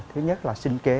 thứ nhất là sinh kế